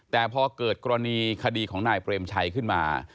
แต่พอเกิดกรณีคดีของนายเปรมชัยขึ้นมา